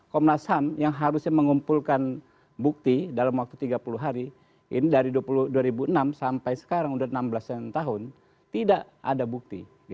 komnas ham yang harusnya mengumpulkan bukti dalam waktu tiga puluh hari ini dari dua ribu enam sampai sekarang sudah enam belas tahun tidak ada bukti